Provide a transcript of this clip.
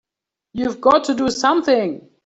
You've got to do something!